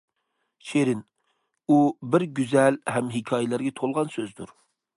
« شېرىن»، ئۇ بىر گۈزەل ھەم ھېكايىلەرگە تولغان سۆزدۇر.